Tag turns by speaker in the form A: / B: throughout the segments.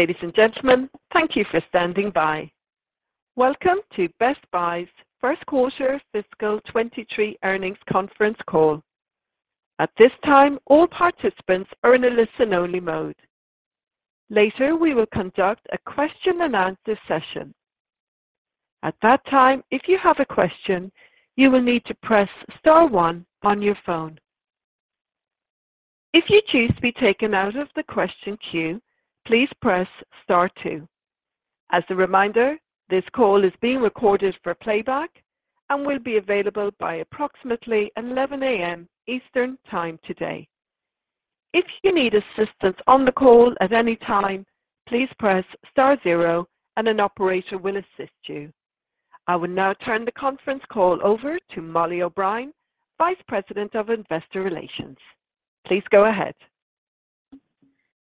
A: Ladies and gentlemen, thank you for standing by. Welcome to Best Buy's Q1 fiscal 2023 earnings conference call. At this time, all participants are in a listen-only mode. Later, we will conduct a question-and-answer session. At that time, if you have a question, you will need to press star one on your phone. If you choose to be taken out of the question queue, please press star two. As a reminder, this call is being recorded for playback and will be available by approximately 11 A.M. Eastern time today. If you need assistance on the call at any time, please press star zero and an operator will assist you. I will now turn the conference call over to Mollie O'Brien, Vice President of Investor Relations. Please go ahead.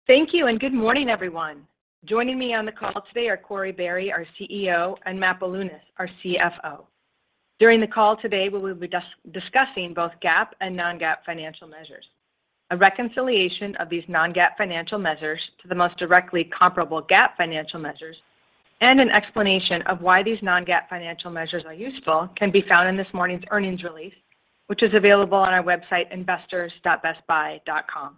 B: Thank you, and good morning, everyone. Joining me on the call today are Corie Barry, our CEO, and Matt Bilunas, our CFO. During the call today, we will be discussing both GAAP and non-GAAP financial measures. A reconciliation of these non-GAAP financial measures to the most directly comparable GAAP financial measures and an explanation of why these non-GAAP financial measures are useful can be found in this morning's earnings release, which is available on our website, investors.bestbuy.com. Some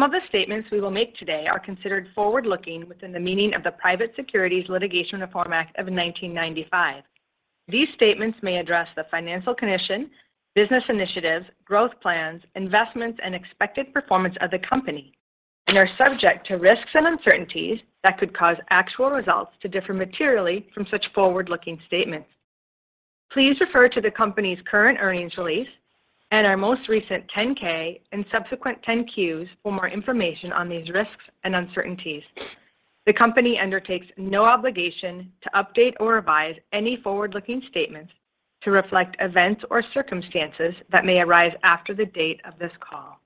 B: of the statements we will make today are considered forward-looking within the meaning of the Private Securities Litigation Reform Act of 1995. These statements may address the financial condition, business initiatives, growth plans, investments, and expected performance of the company and are subject to risks and uncertainties that could cause actual results to differ materially from such forward-looking statements. Please refer to the company's current earnings release and our most recent 10-K and subsequent 10-Qs for more information on these risks and uncertainties. The company undertakes no obligation to update or revise any forward-looking statements to reflect events or circumstances that may arise after the date of this call.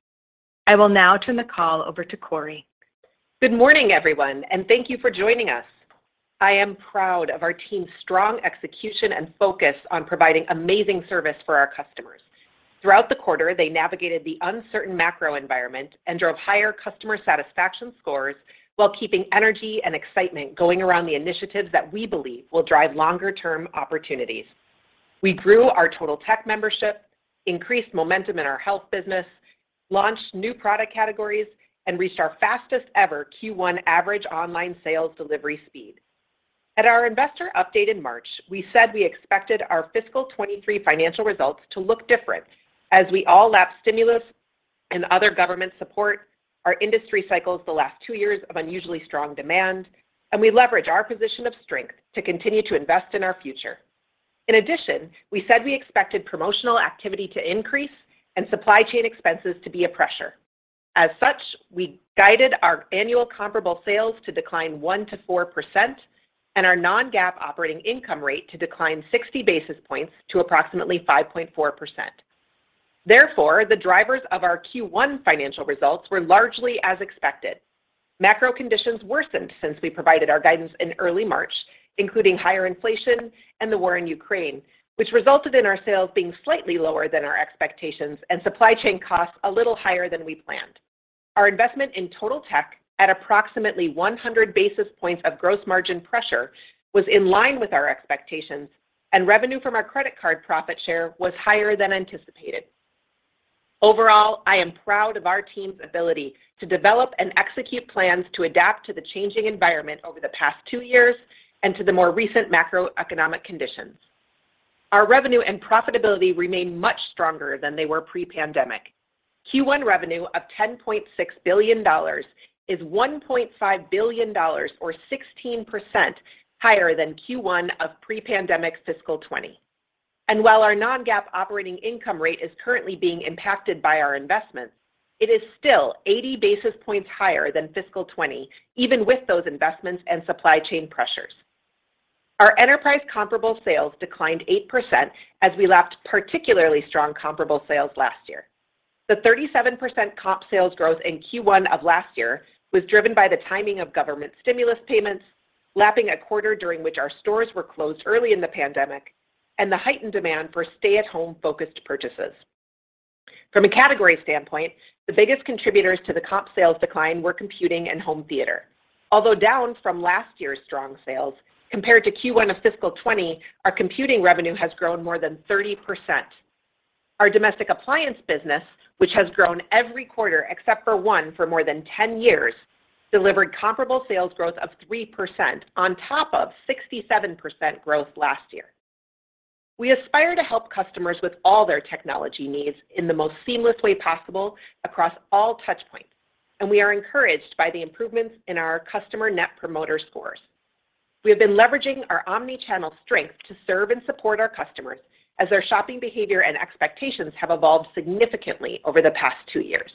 B: I will now turn the call over to Corie.
C: Good morning, everyone, and thank you for joining us. I am proud of our team's strong execution and focus on providing amazing service for our customers. Throughout the quarter, they navigated the uncertain macro environment and drove higher customer satisfaction scores while keeping energy and excitement going around the initiatives that we believe will drive longer-term opportunities. We grew our Totaltech membership, increased momentum in our health business, launched new product categories, and reached our fastest-ever Q1 average online sales delivery speed. At our investor update in March, we said we expected our fiscal 2023 financial results to look different as we all lap stimulus and other government support, our industry cycles the last two years of unusually strong demand, and we leverage our position of strength to continue to invest in our future. In addition, we said we expected promotional activity to increase and supply chain expenses to be a pressure. As such, we guided our annual comparable sales to decline 1%-4% and our non-GAAP operating income rate to decline 60 basis points to approximately 5.4%. Therefore, the drivers of our Q1 financial results were largely as expected. Macro conditions worsened since we provided our guidance in early March, including higher inflation and the war in Ukraine, which resulted in our sales being slightly lower than our expectations and supply chain costs a little higher than we planned. Our investment in Totaltech at approximately 100 basis points of gross margin pressure was in line with our expectations, and revenue from our credit card profit share was higher than anticipated. Overall, I am proud of our team's ability to develop and execute plans to adapt to the changing environment over the past 2 years and to the more recent macroeconomic conditions. Our revenue and profitability remain much stronger than they were pre-pandemic. Q1 revenue of $10.6 billion is $1.5 billion or 16% higher than Q1 of pre-pandemic fiscal 2020. While our non-GAAP operating income rate is currently being impacted by our investments, it is still 80 basis points higher than fiscal 2020, even with those investments and supply chain pressures. Our enterprise comparable sales declined 8% as we lapped particularly strong comparable sales last year. The 37% comp sales growth in Q1 of last year was driven by the timing of government stimulus payments, lapping a quarter during which our stores were closed early in the pandemic and the heightened demand for stay-at-home-focused purchases. From a category standpoint, the biggest contributors to the comp sales decline were computing and home theater. Although down from last year's strong sales, compared to Q1 of fiscal 2020, our computing revenue has grown more than 30%. Our domestic appliance business, which has grown every quarter except for one for more than 10 years, delivered comparable sales growth of 3% on top of 67% growth last year. We aspire to help customers with all their technology needs in the most seamless way possible across all touch points, and we are encouraged by the improvements in our customer net promoter scores. We have been leveraging our omni-channel strength to serve and support our customers as their shopping behavior and expectations have evolved significantly over the past 2 years.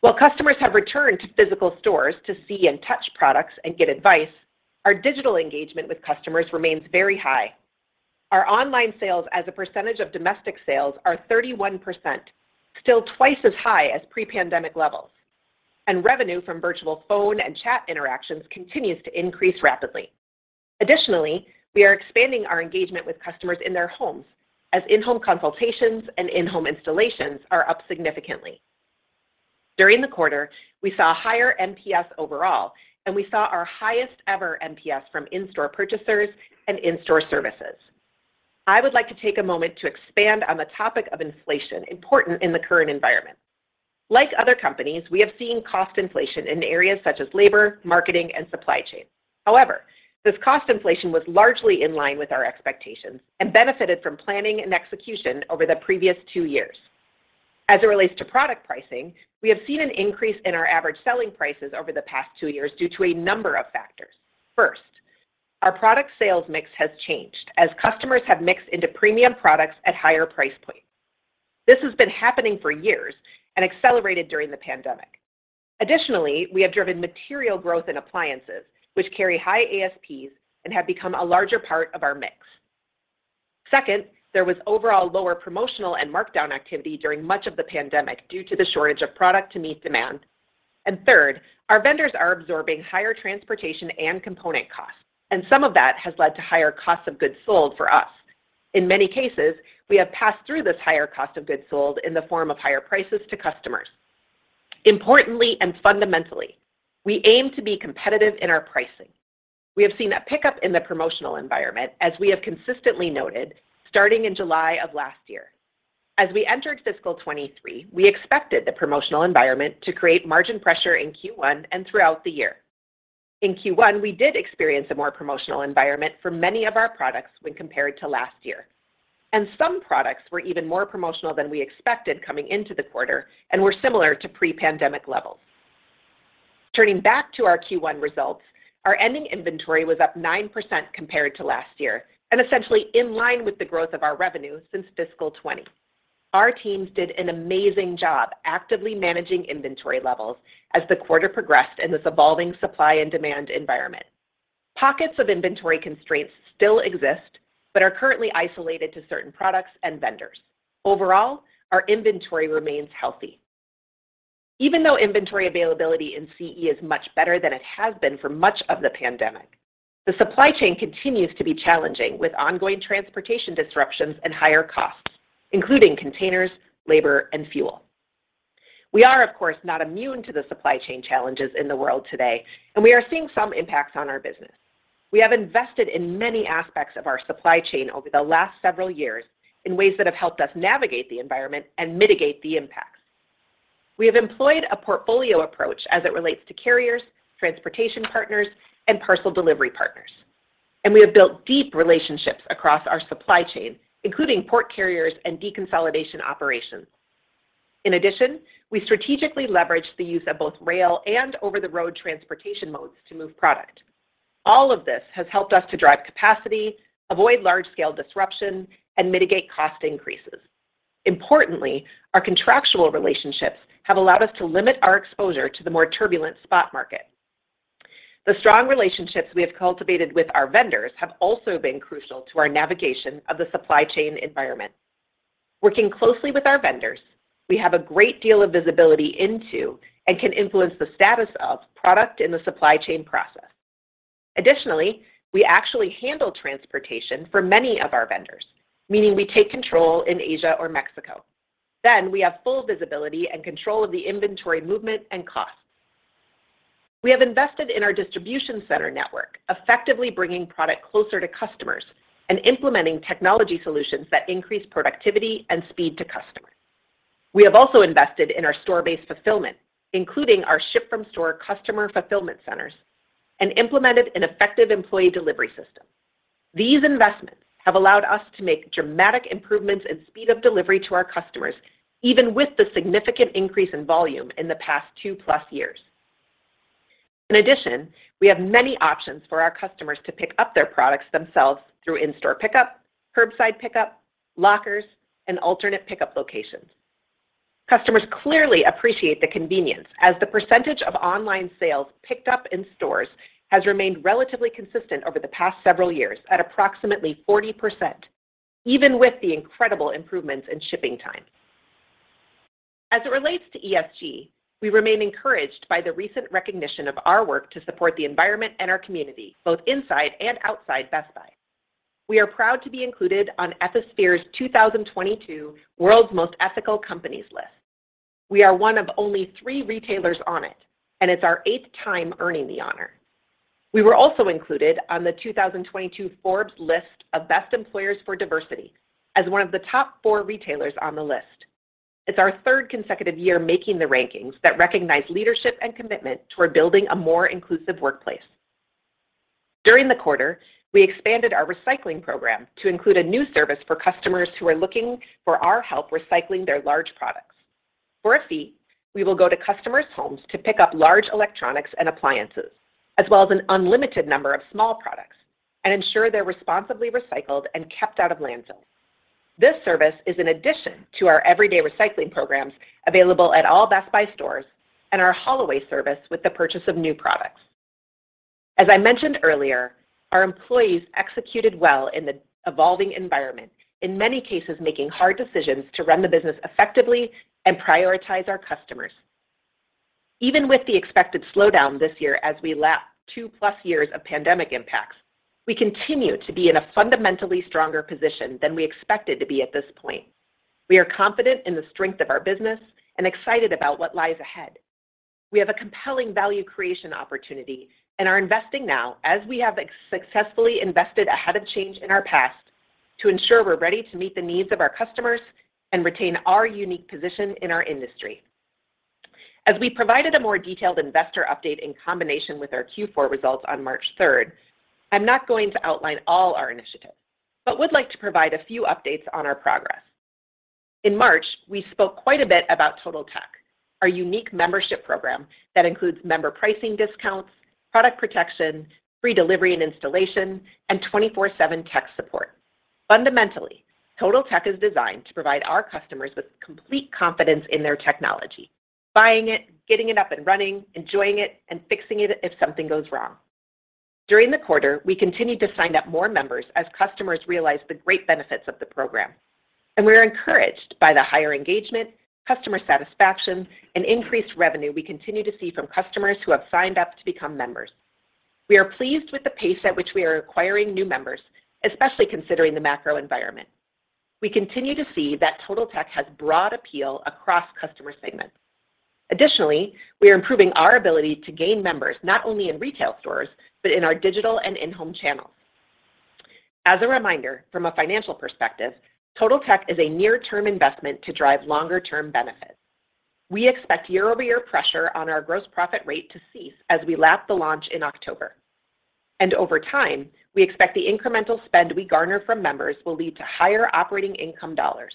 C: While customers have returned to physical stores to see and touch products and get advice, our digital engagement with customers remains very high. Our online sales as a percentage of domestic sales are 31%, still twice as high as pre-pandemic levels. Revenue from virtual phone and chat interactions continues to increase rapidly. Additionally, we are expanding our engagement with customers in their homes as in-home consultations and in-home installations are up significantly. During the quarter, we saw higher NPS overall, and we saw our highest ever NPS from in-store purchasers and in-store services. I would like to take a moment to expand on the topic of inflation, important in the current environment. Like other companies, we have seen cost inflation in areas such as labor, marketing and supply chain. However, this cost inflation was largely in line with our expectations and benefited from planning and execution over the previous two years. As it relates to product pricing, we have seen an increase in our average selling prices over the past two years due to a number of factors. First, our product sales mix has changed as customers have mixed into premium products at higher price points. This has been happening for years and accelerated during the pandemic. Additionally, we have driven material growth in appliances which carry high ASPs and have become a larger part of our mix. Second, there was overall lower promotional and markdown activity during much of the pandemic due to the shortage of product to meet demand. Third, our vendors are absorbing higher transportation and component costs, and some of that has led to higher cost of goods sold for us. In many cases, we have passed through this higher cost of goods sold in the form of higher prices to customers. Importantly and fundamentally, we aim to be competitive in our pricing. We have seen a pickup in the promotional environment as we have consistently noted starting in July of last year. As we entered fiscal 2023, we expected the promotional environment to create margin pressure in Q1 and throughout the year. In Q1, we did experience a more promotional environment for many of our products when compared to last year, and some products were even more promotional than we expected coming into the quarter and were similar to pre-pandemic levels. Turning back to our Q1 results, our ending inventory was up 9% compared to last year and essentially in line with the growth of our revenue since fiscal 2020. Our teams did an amazing job actively managing inventory levels as the quarter progressed in this evolving supply and demand environment. Pockets of inventory constraints still exist but are currently isolated to certain products and vendors. Overall, our inventory remains healthy. Even though inventory availability in CE is much better than it has been for much of the pandemic, the supply chain continues to be challenging, with ongoing transportation disruptions and higher costs, including containers, labor and fuel. We are, of course, not immune to the supply chain challenges in the world today, and we are seeing some impacts on our business. We have invested in many aspects of our supply chain over the last several years in ways that have helped us navigate the environment and mitigate the impacts. We have employed a portfolio approach as it relates to carriers, transportation partners and parcel delivery partners, and we have built deep relationships across our supply chain, including port carriers and deconsolidation operations. In addition, we strategically leverage the use of both rail and over the road transportation modes to move product. All of this has helped us to drive capacity, avoid large scale disruption and mitigate cost increases. Importantly, our contractual relationships have allowed us to limit our exposure to the more turbulent spot market. The strong relationships we have cultivated with our vendors have also been crucial to our navigation of the supply chain environment. Working closely with our vendors, we have a great deal of visibility into and can influence the status of product in the supply chain process. Additionally, we actually handle transportation for many of our vendors, meaning we take control in Asia or Mexico. We have full visibility and control of the inventory movement and costs. We have invested in our distribution center network, effectively bringing product closer to customers and implementing technology solutions that increase productivity and speed to customers. We have also invested in our store-based fulfillment, including our ship from store customer fulfillment centers and implemented an effective employee delivery system. These investments have allowed us to make dramatic improvements in speed of delivery to our customers, even with the significant increase in volume in the past 2+ years. In addition, we have many options for our customers to pick up their products themselves through in-store pickup, curbside pickup, lockers and alternate pickup locations. Customers clearly appreciate the convenience as the percentage of online sales picked up in stores has remained relatively consistent over the past several years at approximately 40% even with the incredible improvements in shipping time. As it relates to ESG, we remain encouraged by the recent recognition of our work to support the environment and our community, both inside and outside Best Buy. We are proud to be included on Ethisphere's 2022 World's Most Ethical Companies list. We are one of only 3 retailers on it and it's our eighth time earning the honor. We were also included on the 2022 Forbes list of Best Employers for Diversity as one of the top 4 retailers on the list. It's our third consecutive year making the rankings that recognize leadership and commitment toward building a more inclusive workplace. During the quarter, we expanded our recycling program to include a new service for customers who are looking for our help recycling their large products. For a fee, we will go to customers' homes to pick up large electronics and appliances, as well as an unlimited number of small products, and ensure they're responsibly recycled and kept out of landfills. This service is in addition to our everyday recycling programs available at all Best Buy stores and our haul away service with the purchase of new products. As I mentioned earlier, our employees executed well in the evolving environment, in many cases making hard decisions to run the business effectively and prioritize our customers. Even with the expected slowdown this year as we lap two-plus years of pandemic impacts, we continue to be in a fundamentally stronger position than we expected to be at this point. We are confident in the strength of our business and excited about what lies ahead. We have a compelling value creation opportunity and are investing now as we have successfully invested ahead of change in our past to ensure we're ready to meet the needs of our customers and retain our unique position in our industry. As we provided a more detailed investor update in combination with our Q4 results on March third, I'm not going to outline all our initiatives, but would like to provide a few updates on our progress. In March, we spoke quite a bit about Totaltech, our unique membership program that includes member pricing discounts, product protection, free delivery and installation, and 24/7 tech support. Fundamentally, Totaltech is designed to provide our customers with complete confidence in their technology. Buying it, getting it up and running, enjoying it, and fixing it if something goes wrong. During the quarter, we continued to sign up more members as customers realized the great benefits of the program, and we are encouraged by the higher engagement, customer satisfaction, and increased revenue we continue to see from customers who have signed up to become members. We are pleased with the pace at which we are acquiring new members, especially considering the macro environment. We continue to see that Totaltech has broad appeal across customer segments. Additionally, we are improving our ability to gain members not only in retail stores, but in our digital and in-home channels. As a reminder, from a financial perspective, Totaltech is a near-term investment to drive longer-term benefits. We expect year-over-year pressure on our gross profit rate to cease as we lap the launch in October. Over time, we expect the incremental spend we garner from members will lead to higher operating income dollars.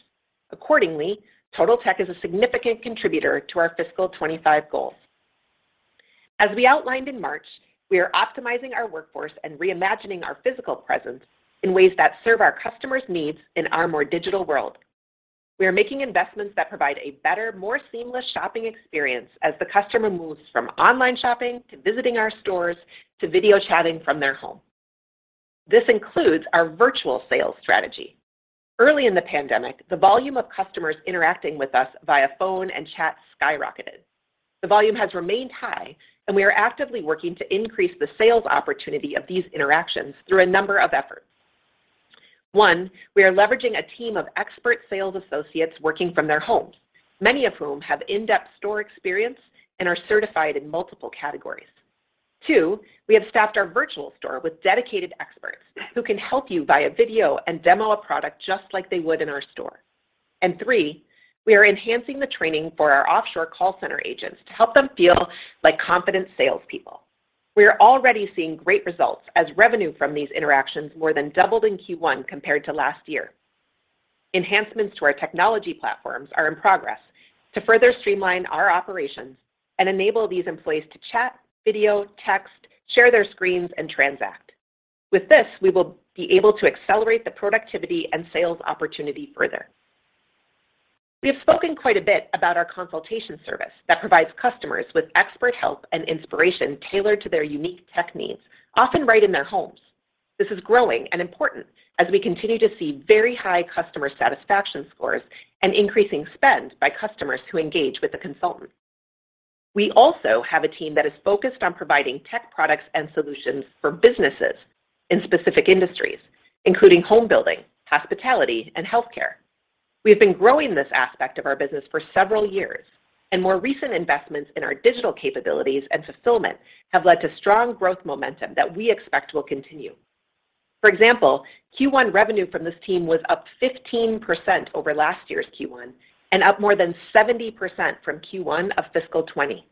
C: Accordingly, Totaltech is a significant contributor to our fiscal 25 goals. As we outlined in March, we are optimizing our workforce and reimagining our physical presence in ways that serve our customers' needs in our more digital world. We are making investments that provide a better, more seamless shopping experience as the customer moves from online shopping to visiting our stores to video chatting from their home. This includes our virtual sales strategy. Early in the pandemic, the volume of customers interacting with us via phone and chat skyrocketed. The volume has remained high, and we are actively working to increase the sales opportunity of these interactions through a number of efforts. 1, we are leveraging a team of expert sales associates working from their homes, many of whom have in-depth store experience and are certified in multiple categories. 2, we have staffed our virtual store with dedicated experts who can help you via video and demo a product just like they would in our store. 3, we are enhancing the training for our offshore call center agents to help them feel like confident salespeople. We are already seeing great results as revenue from these interactions more than doubled in Q1 compared to last year. Enhancements to our technology platforms are in progress to further streamline our operations and enable these employees to chat, video, text, share their screens and transact. With this, we will be able to accelerate the productivity and sales opportunity further. We have spoken quite a bit about our consultation service that provides customers with expert help and inspiration tailored to their unique tech needs, often right in their homes. This is growing and important as we continue to see very high customer satisfaction scores and increasing spend by customers who engage with a consultant. We also have a team that is focused on providing tech products and solutions for businesses in specific industries, including home building, hospitality and healthcare. We have been growing this aspect of our business for several years, and more recent investments in our digital capabilities and fulfillment have led to strong growth momentum that we expect will continue. For example, Q1 revenue from this team was up 15% over last year's Q1 and up more than 70% from Q1 of fiscal 2020.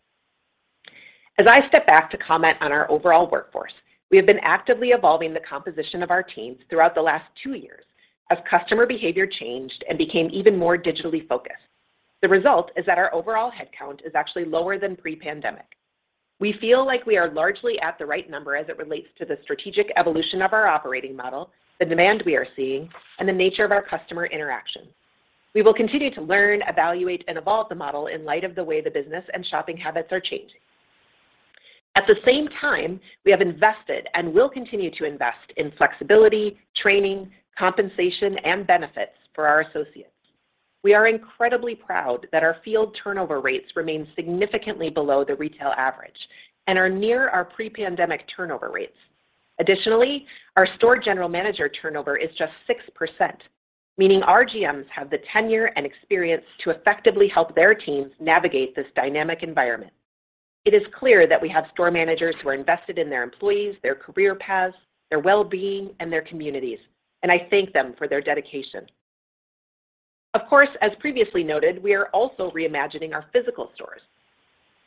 C: As I step back to comment on our overall workforce, we have been actively evolving the composition of our teams throughout the last two years as customer behavior changed and became even more digitally focused. The result is that our overall headcount is actually lower than pre-pandemic. We feel like we are largely at the right number as it relates to the strategic evolution of our operating model, the demand we are seeing, and the nature of our customer interactions. We will continue to learn, evaluate, and evolve the model in light of the way the business and shopping habits are changing. At the same time, we have invested and will continue to invest in flexibility, training, compensation, and benefits for our associates. We are incredibly proud that our field turnover rates remain significantly below the retail average and are near our pre-pandemic turnover rates. Additionally, our store general manager turnover is just 6%, meaning our GMs have the tenure and experience to effectively help their teams navigate this dynamic environment. It is clear that we have store managers who are invested in their employees, their career paths, their well-being, and their communities, and I thank them for their dedication. Of course, as previously noted, we are also reimagining our physical stores.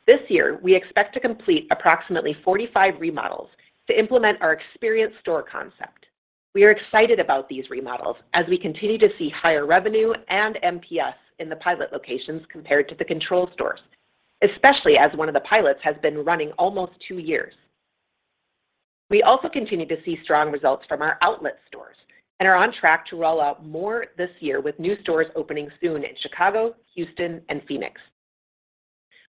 C: This year, we expect to complete approximately 45 remodels to implement our experience store concept. We are excited about these remodels as we continue to see higher revenue and NPS in the pilot locations compared to the control stores, especially as one of the pilots has been running almost two years. We also continue to see strong results from our outlet stores and are on track to roll out more this year with new stores opening soon in Chicago, Houston and Phoenix.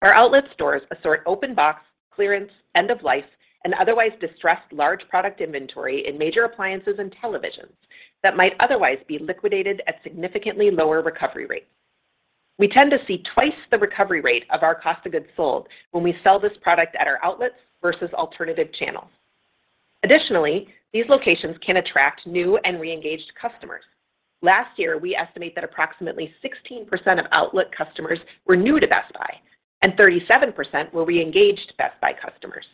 C: Our outlet stores assort open box, clearance, end of life and otherwise distressed large product inventory in major appliances and televisions. That might otherwise be liquidated at significantly lower recovery rates. We tend to see twice the recovery rate of our cost of goods sold when we sell this product at our outlets versus alternative channels. Additionally, these locations can attract new and re-engaged customers. Last year, we estimate that approximately 16% of outlet customers were new to Best Buy and 37% were re-engaged Best Buy customers.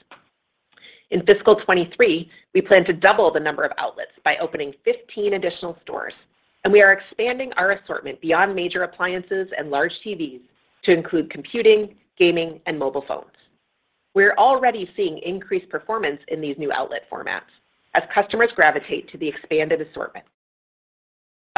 C: In fiscal 2023, we plan to double the number of outlets by opening 15 additional stores, and we are expanding our assortment beyond major appliances and large TVs to include computing, gaming, and mobile phones. We're already seeing increased performance in these new outlet formats as customers gravitate to the expanded assortment.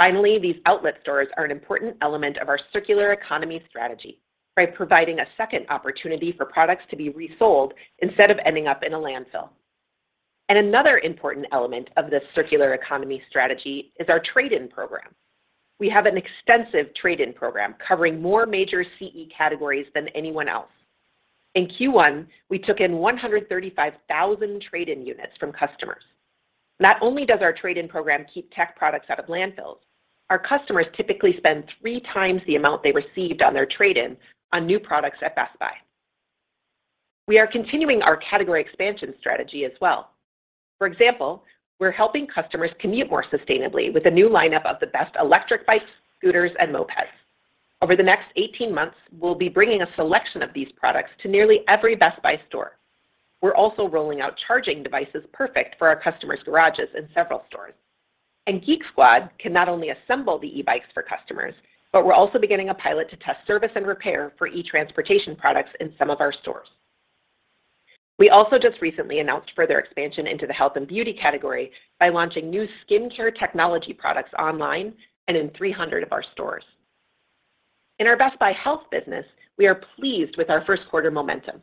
C: Finally, these outlet stores are an important element of our circular economy strategy by providing a second opportunity for products to be resold instead of ending up in a landfill. Another important element of this circular economy strategy is our trade-in program. We have an extensive trade-in program covering more major CE categories than anyone else. In Q1, we took in 135,000 trade-in units from customers. Not only does our trade-in program keep tech products out of landfills, our customers typically spend three times the amount they received on their trade-in on new products at Best Buy. We are continuing our category expansion strategy as well. For example, we're helping customers commute more sustainably with a new lineup of the best electric bikes, scooters, and mopeds. Over the next 18 months, we'll be bringing a selection of these products to nearly every Best Buy store. We're also rolling out charging devices perfect for our customers' garages in several stores. Geek Squad can not only assemble the e-bikes for customers, but we're also beginning a pilot to test service and repair for e-transportation products in some of our stores. We also just recently announced further expansion into the health and beauty category by launching new skincare technology products online and in 300 of our stores. In our Best Buy Health business, we are pleased with our Q1 momentum.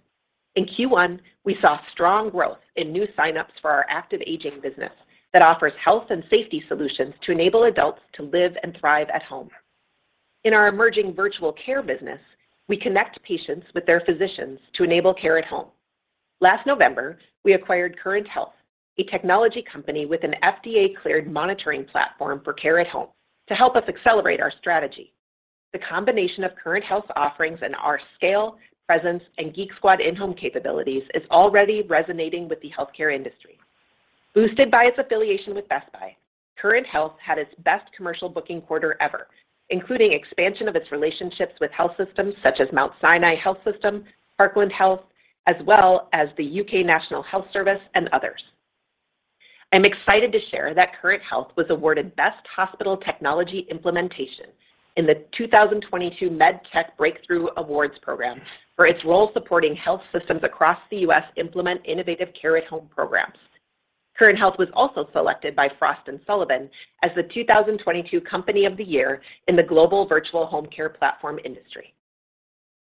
C: In Q1, we saw strong growth in new signups for our active aging business that offers health and safety solutions to enable adults to live and thrive at home. In our emerging virtual care business, we connect patients with their physicians to enable care at home. Last November, we acquired Current Health, a technology company with an FDA-cleared monitoring platform for care at home to help us accelerate our strategy. The combination of Current Health offerings and our scale, presence, and Geek Squad in-home capabilities is already resonating with the healthcare industry. Boosted by its affiliation with Best Buy, Current Health had its best commercial booking quarter ever, including expansion of its relationships with health systems such as Mount Sinai Health System, Parkland Health, as well as the UK National Health Service and others. I'm excited to share that Current Health was awarded Best Hospital Technology Implementation in the 2022 MedTech Breakthrough Awards program for its role supporting health systems across the U.S. implement innovative care at home programs. Current Health was also selected by Frost & Sullivan as the 2022 Company of the Year in the global virtual home care platform industry.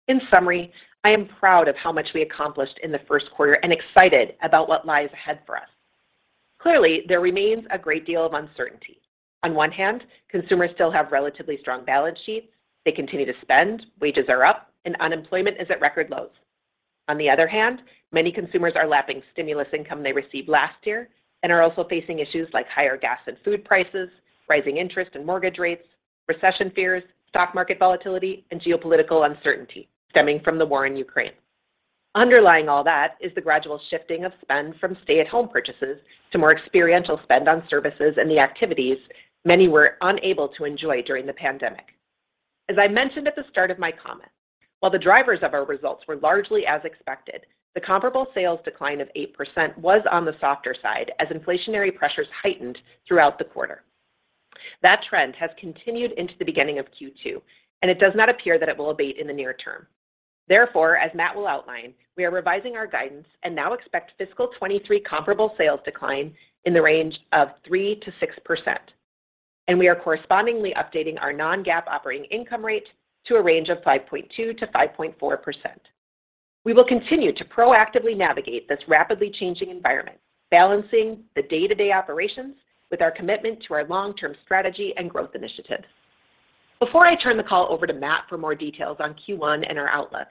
C: In summary, I am proud of how much we accomplished in the Q1 and excited about what lies ahead for us. Clearly, there remains a great deal of uncertainty. On one hand, consumers still have relatively strong balance sheets. They continue to spend, wages are up, and unemployment is at record lows. On the other hand, many consumers are lapping stimulus income they received last year and are also facing issues like higher gas and food prices, rising interest and mortgage rates, recession fears, stock market volatility, and geopolitical uncertainty stemming from the war in Ukraine. Underlying all that is the gradual shifting of spend from stay-at-home purchases to more experiential spend on services and the activities many were unable to enjoy during the pandemic. As I mentioned at the start of my comments, while the drivers of our results were largely as expected, the comparable sales decline of 8% was on the softer side as inflationary pressures heightened throughout the quarter. That trend has continued into the beginning of Q2, and it does not appear that it will abate in the near term. Therefore, as Matt will outline, we are revising our guidance and now expect fiscal 2023 comparable sales decline in the range of 3%-6%. We are correspondingly updating our non-GAAP operating income rate to a range of 5.2%-5.4%. We will continue to proactively navigate this rapidly changing environment, balancing the day-to-day operations with our commitment to our long-term strategy and growth initiatives. Before I turn the call over to Matt for more details on Q1 and our outlook,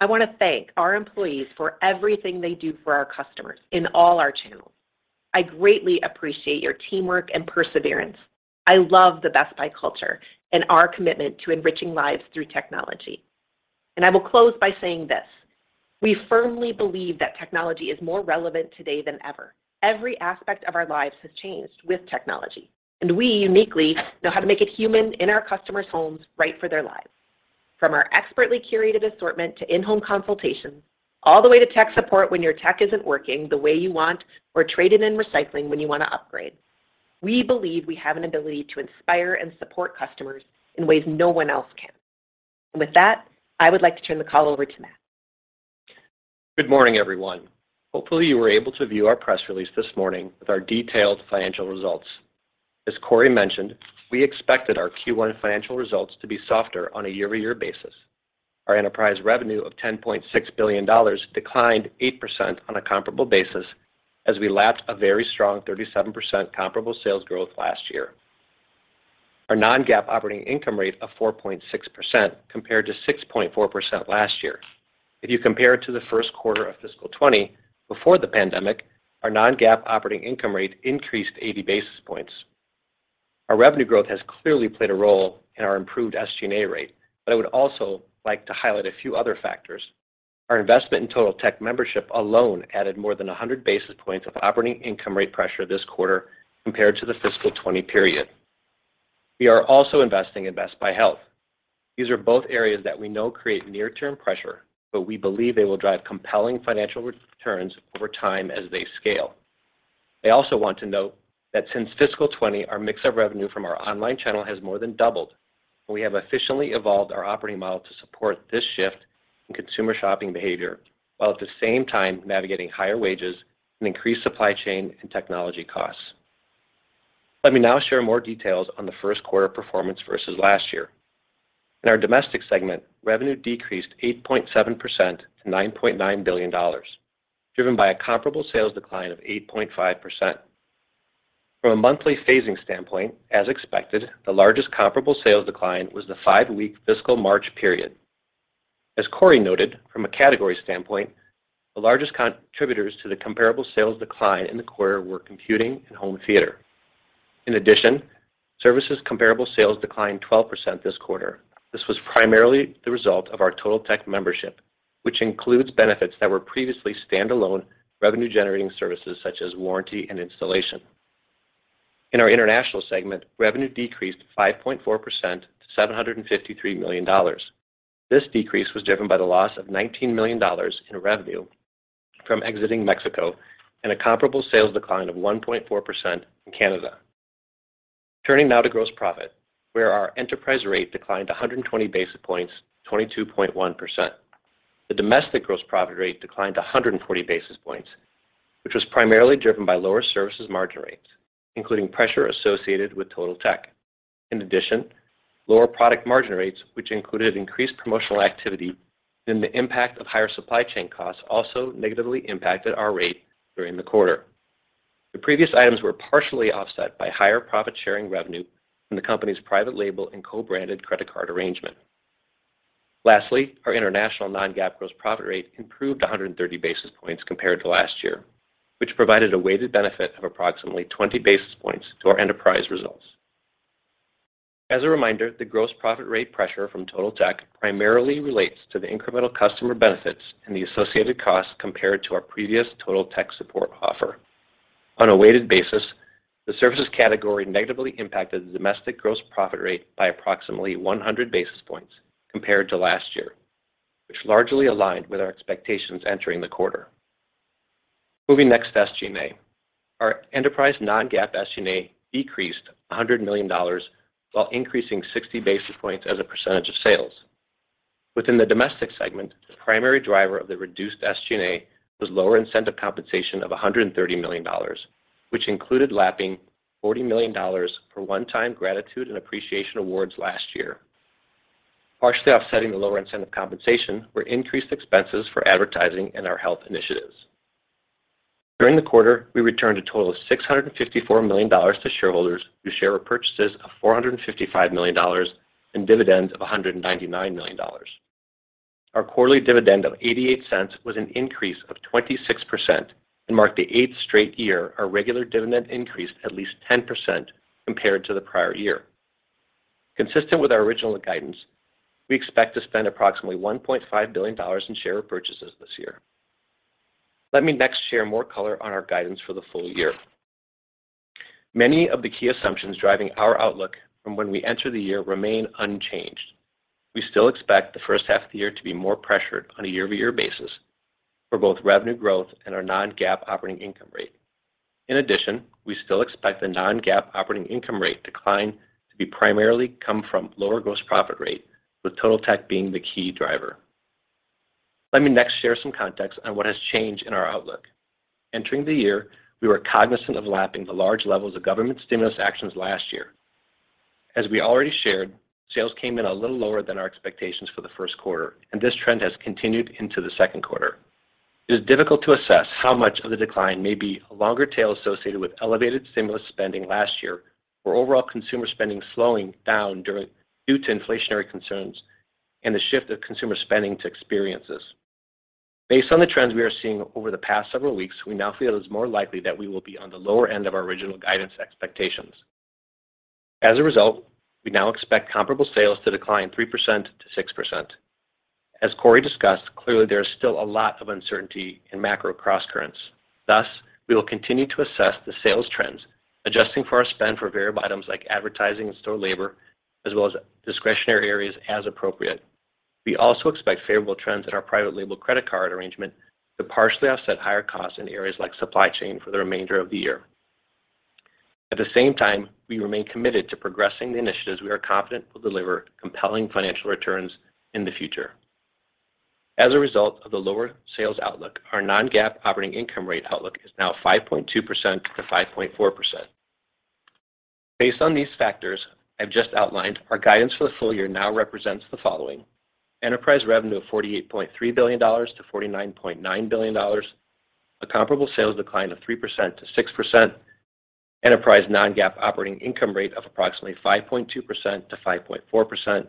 C: I want to thank our employees for everything they do for our customers in all our channels. I greatly appreciate your teamwork and perseverance. I love the Best Buy culture and our commitment to enriching lives through technology. I will close by saying this. We firmly believe that technology is more relevant today than ever. Every aspect of our lives has changed with technology, and we uniquely know how to make it human in our customers' homes right for their lives. From our expertly curated assortment to in-home consultations, all the way to tech support when your tech isn't working the way you want or trade-in and recycling when you want to upgrade. We believe we have an ability to inspire and support customers in ways no one else can. With that, I would like to turn the call over to Matt.
D: Good morning, everyone. Hopefully, you were able to view our press release this morning with our detailed financial results. As Corie mentioned, we expected our Q1 financial results to be softer on a year-over-year basis. Our enterprise revenue of $10.6 billion declined 8% on a comparable basis as we lapped a very strong 37% comparable sales growth last year. Our non-GAAP operating income rate of 4.6% compared to 6.4% last year. If you compare it to the Q1 of fiscal 2020 before the pandemic, our non-GAAP operating income rate increased 80 basis points. Our revenue growth has clearly played a role in our improved SG&A rate, but I would also like to highlight a few other factors. Our investment in Totaltech membership alone added more than 100 basis points of operating income rate pressure this quarter compared to the fiscal 2020 period. We are also investing in Best Buy Health. These are both areas that we know create near-term pressure, but we believe they will drive compelling financial returns over time as they scale. I also want to note that since fiscal 2020, our mix of revenue from our online channel has more than doubled, and we have efficiently evolved our operating model to support this shift in consumer shopping behavior while at the same time navigating higher wages and increased supply chain and technology costs. Let me now share more details on the Q1 performance versus last year. In our domestic segment, revenue decreased 8.7% to $9.9 billion, driven by a comparable sales decline of 8.5%. From a monthly phasing standpoint, as expected, the largest comparable sales decline was the five-week fiscal March period. As Corie noted, from a category standpoint, the largest contributors to the comparable sales decline in the quarter were computing and home theater. In addition, services comparable sales declined 12% this quarter. This was primarily the result of our Totaltech membership, which includes benefits that were previously stand-alone revenue-generating services such as warranty and installation. In our international segment, revenue decreased 5.4% to $753 million. This decrease was driven by the loss of $19 million in revenue from exiting Mexico and a comparable sales decline of 1.4% in Canada. Turning now to gross profit, where our enterprise rate declined 120 basis points, 22.1%. The domestic gross profit rate declined 140 basis points, which was primarily driven by lower services margin rates, including pressure associated with Totaltech. In addition, lower product margin rates, which included increased promotional activity and the impact of higher supply chain costs, also negatively impacted our rate during the quarter. The previous items were partially offset by higher profit sharing revenue from the company's private label and co-branded credit card arrangement. Lastly, our international non-GAAP gross profit rate improved 130 basis points compared to last year, which provided a weighted benefit of approximately 20 basis points to our enterprise results. As a reminder, the gross profit rate pressure from Total Tech primarily relates to the incremental customer benefits and the associated costs compared to our previous Total Tech support offer. On a weighted basis, the services category negatively impacted the domestic gross profit rate by approximately 100 basis points compared to last year, which largely aligned with our expectations entering the quarter. Moving next to SG&A. Our enterprise non-GAAP SG&A decreased $100 million while increasing 60 basis points as a percentage of sales. Within the domestic segment, the primary driver of the reduced SG&A was lower incentive compensation of $130 million, which included lapping $40 million for one-time gratitude and appreciation awards last year. Partially offsetting the lower incentive compensation were increased expenses for advertising and our health initiatives. During the quarter, we returned a total of $654 million to shareholders through share repurchases of $455 million and dividends of $199 million. Our quarterly dividend of $0.88 was an increase of 26% and marked the eighth straight year our regular dividend increased at least 10% compared to the prior year. Consistent with our original guidance, we expect to spend approximately $1.5 billion in share repurchases this year. Let me next share more color on our guidance for the full year. Many of the key assumptions driving our outlook from when we entered the year remain unchanged. We still expect the first half of the year to be more pressured on a year-over-year basis for both revenue growth and our non-GAAP operating income rate. In addition, we still expect the non-GAAP operating income rate decline to primarily come from lower gross profit rate, with Totaltech being the key driver. Let me next share some context on what has changed in our outlook. Entering the year, we were cognizant of lapping the large levels of government stimulus actions last year. As we already shared, sales came in a little lower than our expectations for the Q1, and this trend has continued into the Q2. It is difficult to assess how much of the decline may be a longer tail associated with elevated stimulus spending last year, or overall consumer spending slowing down due to inflationary concerns and the shift of consumer spending to experiences. Based on the trends we are seeing over the past several weeks, we now feel it is more likely that we will be on the lower end of our original guidance expectations. As a result, we now expect comparable sales to decline 3%-6%. As Corie discussed, clearly there is still a lot of uncertainty in macro crosscurrents. Thus, we will continue to assess the sales trends, adjusting for our spend for variable items like advertising and store labor, as well as discretionary areas as appropriate. We also expect favorable trends in our private label credit card arrangement to partially offset higher costs in areas like supply chain for the remainder of the year. At the same time, we remain committed to progressing the initiatives we are confident will deliver compelling financial returns in the future. As a result of the lower sales outlook, our non-GAAP operating income rate outlook is now 5.2% to 5.4%. Based on these factors I've just outlined, our guidance for the full year now represents the following. Enterprise revenue of $48.3 billion to $49.9 billion. A comparable sales decline of 3% to 6%. Enterprise non-GAAP operating income rate of approximately 5.2% to 5.4%.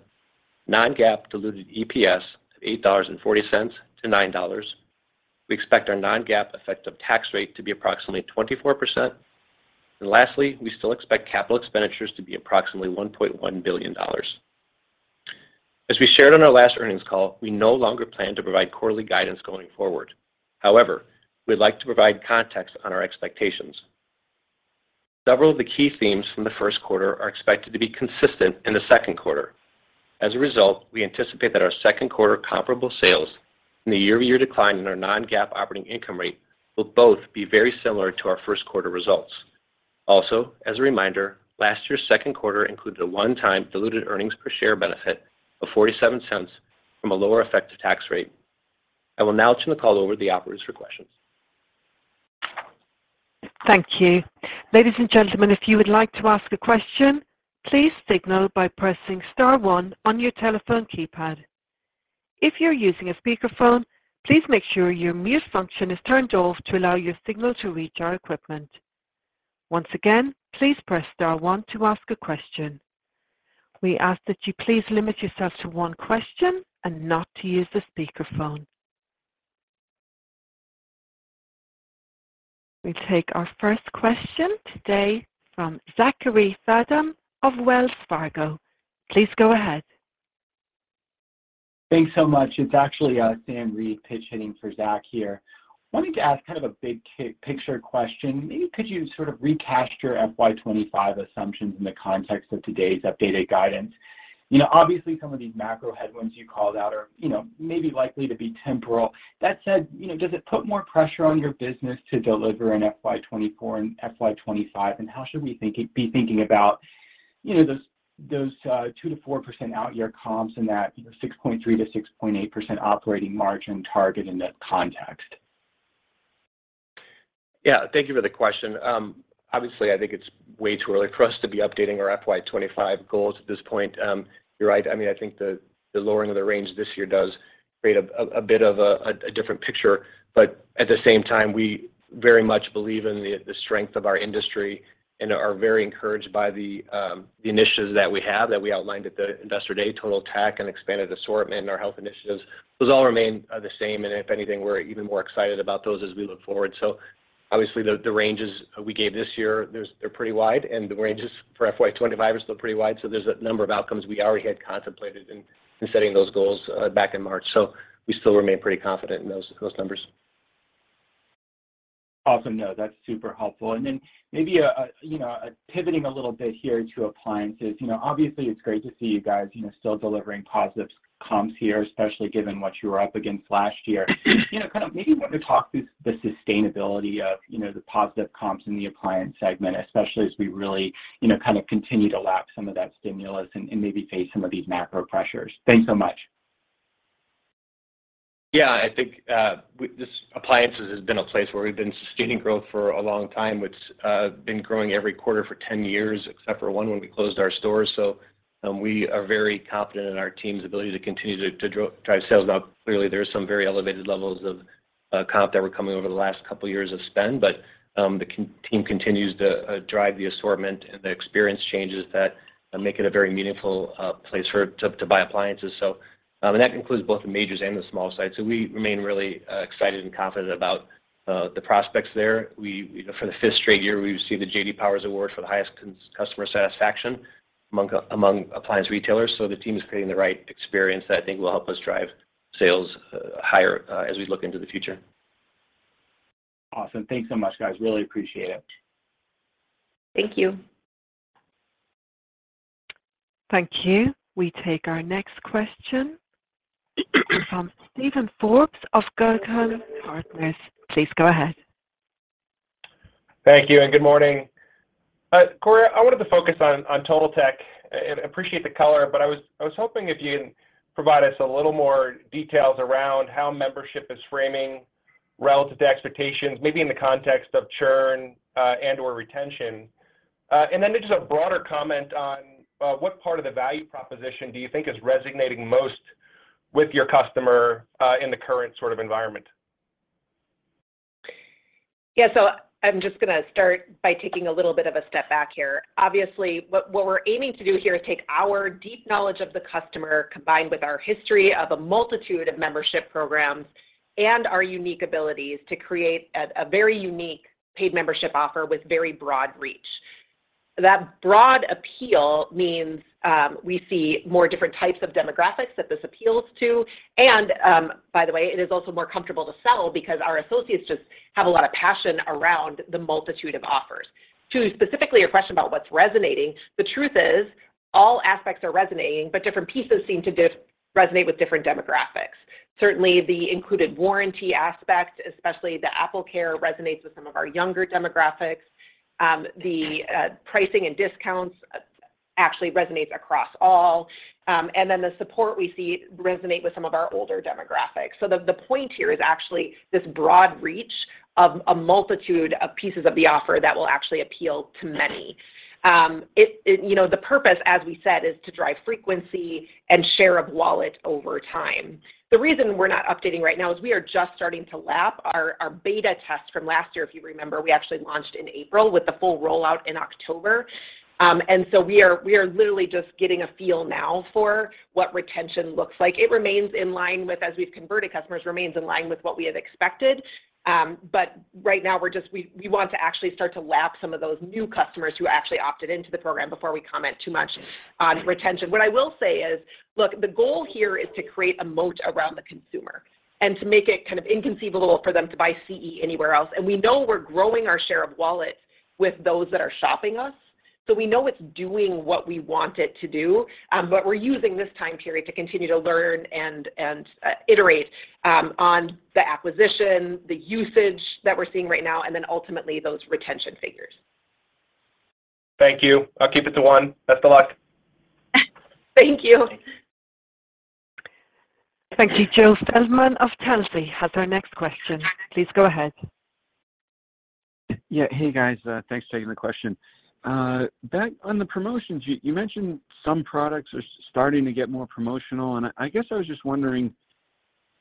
D: Non-GAAP diluted EPS of $8.40 to $9. We expect our non-GAAP effective tax rate to be approximately 24%. Lastly, we still expect capital expenditures to be approximately $1.1 billion. As we shared on our last earnings call, we no longer plan to provide quarterly guidance going forward. However, we'd like to provide context on our expectations. Several of the key themes from the Q1 are expected to be consistent in the Q2. As a result, we anticipate that our Q2 comparable sales and the year-over-year decline in our non-GAAP operating income rate will both be very similar to our Q1 results. Also, as a reminder, last year's Q2 included a one-time diluted earnings per share benefit of $0.47 from a lower effective tax rate. I will now turn the call over to the operators for questions.
A: Thank you. Ladies and gentlemen, if you would like to ask a question, please signal by pressing star one on your telephone keypad. If you're using a speakerphone, please make sure your mute function is turned off to allow your signal to reach our equipment. Once again, please press star one to ask a question. We ask that you please limit yourself to one question and not to use the speakerphone. We take our first question today from Zachary Fadem of Wells Fargo. Please go ahead.
E: Thanks so much. It's actually, Sam Reid pitch hitting for Zach here. Wanted to ask kind of a big picture question. Maybe could you sort of recast your FY 2025 assumptions in the context of today's updated guidance? You know, obviously some of these macro headwinds you called out are, you know, maybe likely to be temporal. That said, you know, does it put more pressure on your business to deliver in FY 2024 and FY 2025? How should we be thinking about, you know, those 2%-4% out-year comps and that 6.3%-6.8% operating margin target in that context?
D: Yeah. Thank you for the question. Obviously, I think it's way too early for us to be updating our FY 25 goals at this point. You're right. I mean, I think the lowering of the range this year does create a bit of a different picture. At the same time, we very much believe in the strength of our industry and are very encouraged by the initiatives that we have that we outlined at the Investor Day, Totaltech and expanded assortment and our health initiatives. Those all remain the same, and if anything, we're even more excited about those as we look forward. Obviously, the ranges we gave this year, they're pretty wide, and the ranges for FY 25 are still pretty wide. There's a number of outcomes we already had contemplated in setting those goals back in March. We still remain pretty confident in those numbers.
E: Awesome. No, that's super helpful. Maybe, you know, pivoting a little bit here to appliances. You know, obviously, it's great to see you guys, you know, still delivering positive comps here, especially given what you were up against last year. You know, kind of maybe you want to talk through the sustainability of, you know, the positive comps in the appliance segment, especially as we really, you know, kind of continue to lap some of that stimulus and maybe face some of these macro pressures. Thanks so much.
D: Yeah. I think this appliances has been a place where we've been sustaining growth for a long time. It's been growing every quarter for 10 years, except for one when we closed our stores. We are very confident in our team's ability to continue to drive sales up. Clearly, there are some very elevated levels of comps that were coming over the last couple of years of spend, but the team continues to drive the assortment and the experience changes that make it a very meaningful place to buy appliances. And that includes both the majors and the smalls. We remain really excited and confident about the prospects there. For the fifth straight year, we've received the J.D. Power Award for the highest customer satisfaction among appliance retailers. The team is creating the right experience that I think will help us drive sales higher as we look into the future.
E: Awesome. Thanks so much, guys. Really appreciate it.
A: Thank you. Thank you. We take our next question from Steven Forbes of Guggenheim Partners. Please go ahead.
F: Thank you and good morning. Corie, I wanted to focus on Totaltech. Appreciate the color, but I was hoping if you can provide us a little more details around how membership is faring relative to expectations, maybe in the context of churn, and/or retention. And then just a broader comment on what part of the value proposition do you think is resonating most with your customer in the current sort of environment?
C: Yeah. I'm just gonna start by taking a little bit of a step back here. Obviously, what we're aiming to do here is take our deep knowledge of the customer, combined with our history of a multitude of membership programs and our unique abilities to create a very unique paid membership offer with very broad reach. That broad appeal means we see more different types of demographics that this appeals to. By the way, it is also more comfortable to sell because our associates just have a lot of passion around the multitude of offers. To specifically your question about what's resonating, the truth is all aspects are resonating, but different pieces seem to differently resonate with different demographics. Certainly, the included warranty aspect, especially the AppleCare, resonates with some of our younger demographics. The pricing and discounts. Actually resonates across all. The support we see resonate with some of our older demographics. The point here is actually this broad reach of a multitude of pieces of the offer that will actually appeal to many. You know, the purpose, as we said, is to drive frequency and share of wallet over time. The reason we're not updating right now is we are just starting to lap our beta test from last year. If you remember, we actually launched in April with the full rollout in October. We are literally just getting a feel now for what retention looks like. It remains in line with, as we've converted customers, remains in line with what we had expected. Right now we want to actually start to lap some of those new customers who actually opted into the program before we comment too much on retention. What I will say is, look, the goal here is to create a moat around the consumer and to make it kind of inconceivable for them to buy CE anywhere else. We know we're growing our share of wallet with those that are shopping us, so we know it's doing what we want it to do. We're using this time period to continue to learn and iterate on the acquisition, the usage that we're seeing right now, and then ultimately those retention figures.
F: Thank you. I'll keep it to one. Best of luck.
C: Thank you.
A: Thank you. Joe Feldman of Canaccord Genuity has our next question. Please go ahead.
G: Yeah. Hey, guys. Thanks for taking the question. Back on the promotions, you mentioned some products are starting to get more promotional, and I guess I was just wondering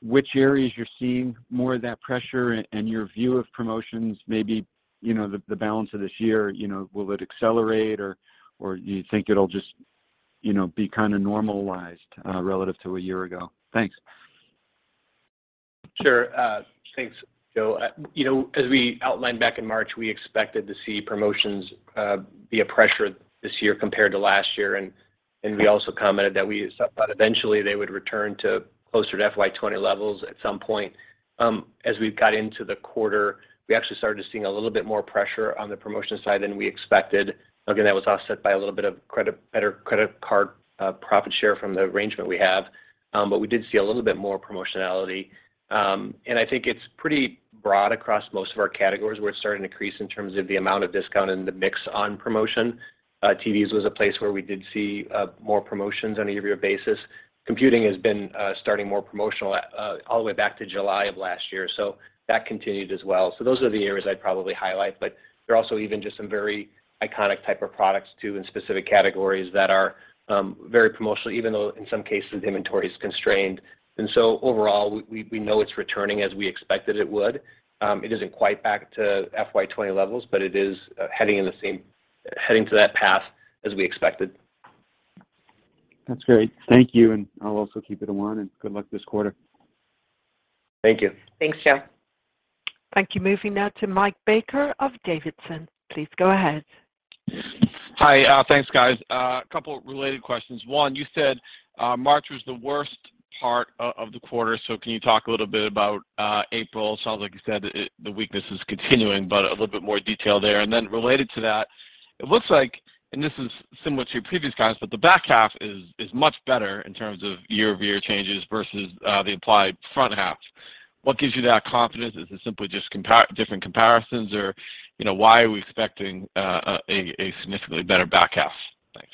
G: which areas you're seeing more of that pressure and your view of promotions maybe, you know, the balance of this year. You know, will it accelerate or do you think it'll just, you know, be kind of normalized relative to a year ago? Thanks.
D: Sure. Thanks, Joe. You know, as we outlined back in March, we expected to see promotions be a pressure this year compared to last year. We also commented that we thought eventually they would return to closer to FY 2020 levels at some point. As we've got into the quarter, we actually started just seeing a little bit more pressure on the promotion side than we expected. Again, that was offset by a little bit of credit, better credit card profit share from the arrangement we have. We did see a little bit more promotionality. I think it's pretty broad across most of our categories where it's starting to increase in terms of the amount of discount and the mix on promotion. TVs was a place where we did see more promotions on a year-over-year basis. Computing has been starting more promotional all the way back to July of last year, so that continued as well. Those are the areas I'd probably highlight, but there are also even just some very iconic type of products too, in specific categories that are very promotional, even though in some cases inventory is constrained. Overall, we know it's returning as we expected it would. It isn't quite back to FY 20 levels, but it is heading to that path as we expected.
G: That's great. Thank you, and I'll also keep it to one, and good luck this quarter.
D: Thank you.
C: Thanks, Joe.
A: Thank you. Moving now to Mike Baker of D.A. Davidson. Please go ahead.
H: Hi. Thanks, guys. A couple related questions. One, you said March was the worst part of the quarter, so can you talk a little bit about April? Sounds like you said it, the weakness is continuing, but a little bit more detail there. Then related to that, it looks like, and this is similar to your previous comments, but the back half is much better in terms of year-over-year changes versus the first half. What gives you that confidence? Is it simply just different comparisons or, you know, why are we expecting a significantly better back half? Thanks.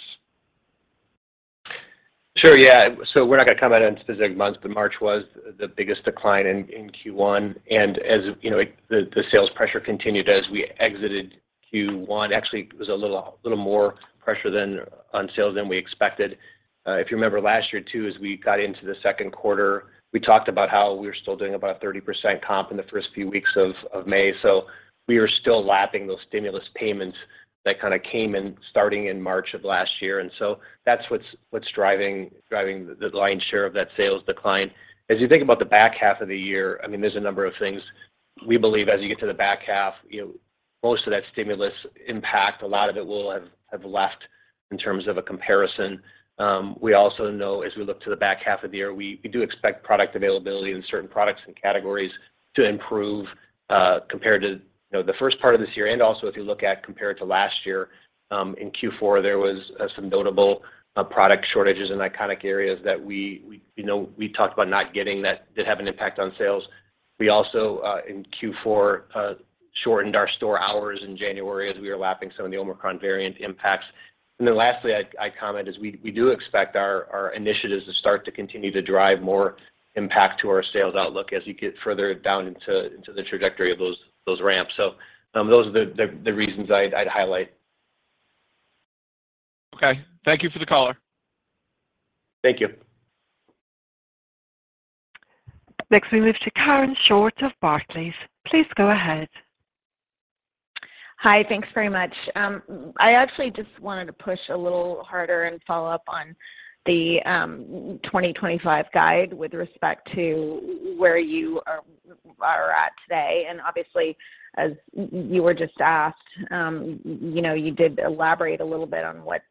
D: Sure. Yeah. We're not gonna comment on specific months, but March was the biggest decline in Q1. As you know, sales pressure continued as we exited Q1. Actually, it was a little more pressure on sales than we expected. If you remember last year too, as we got into the Q2, we talked about how we were still doing about a 30% comp in the first few weeks of May. We are still lapping those stimulus payments that kinda came in starting in March of last year. That's what's driving the lion's share of that sales decline. As you think about the back half of the year, I mean, there's a number of things. We believe as you get to the back half, most of that stimulus impact, a lot of it will have left in terms of a comparison. We also know as we look to the back half of the year, we do expect product availability in certain products and categories to improve, compared to the first part of this year and also if you look at compared to last year, in Q4, there was some notable product shortages in iconic areas that we talked about not getting that did have an impact on sales. We also, in Q4, shortened our store hours in January as we were lapping some of the Omicron variant impacts. Lastly, my comment is we do expect our initiatives to start to continue to drive more impact to our sales outlook as you get further down into the trajectory of those ramps. Those are the reasons I'd highlight.
H: Okay. Thank you for the color.
D: Thank you.
A: Next we move to Karen Short of Barclays. Please go ahead.
I: Hi. Thanks very much. I actually just wanted to push a little harder and follow up on the 2025 guide with respect to where you are at today. Obviously, as you were just asked, you know, you did elaborate a little bit on what